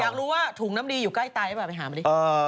อยากรู้ว่าถุงน้ำดีอยู่ใกล้ตายหรือเปล่าไปหามาดิ